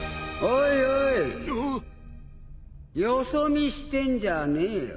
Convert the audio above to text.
よそ見してんじゃねえよ。